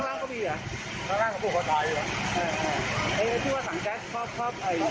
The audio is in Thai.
ห้องล่างได้เข้าไปดูแต่ทั้งบนยังจะมี